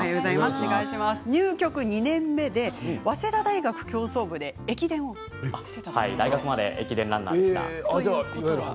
入局２年目で早稲田大学競争部で大学まで駅伝ランナーでした。